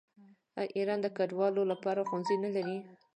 آیا ایران د کډوالو لپاره ښوونځي نلري؟